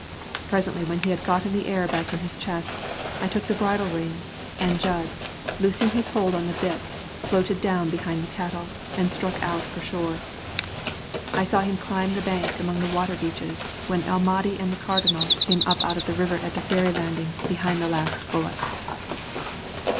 Presently, when he had gotten the air back in his chest, I took the bridle rein, and Jud, loosing his hold on the bit, floated down behind the cattle, and struck out for the shore. I saw him climb the bank among the water beeches when El Mahdi and the Cardinal came up out of the river at the ferry landing behind the last bullock.